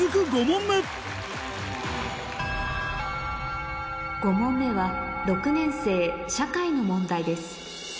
５問目５問目は６年生社会の問題です